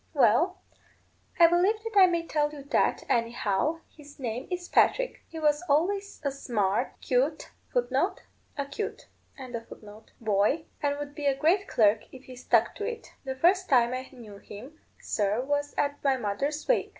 "Well, I believe that I may tell you that, anyhow; his name is Patrick. He was always a smart, 'cute boy, and would be a great clerk if he stuck to it. The first time I knew him, sir, was at my mother's wake.